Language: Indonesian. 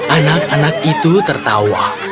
anak anak itu tertawa